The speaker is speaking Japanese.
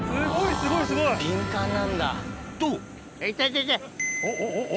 すごいな！